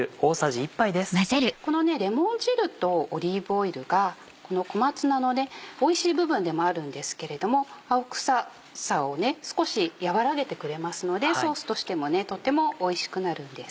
このレモン汁とオリーブオイルが小松菜のおいしい部分でもあるんですけれども青臭さを少しやわらげてくれますのでソースとしてもとってもおいしくなるんです。